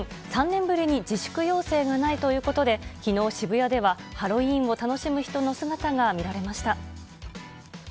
３年ぶりに自粛要請がないということで、きのう渋谷では、ハロウィーンを楽しむ人の姿が見られました。